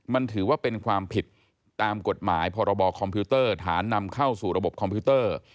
มันถือว่าเป็นความผิดตามกฎหมายพรบคอมพิวเตอร์ฐานนำเข้าสู่ระบบคอมพิวเตอร์